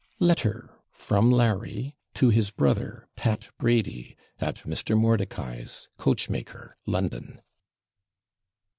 LETTER FROM LARRY TO HIS BROTHER, PAT BRADY, AT MR. MORDICAI'S, COACHMAKER, LONDON.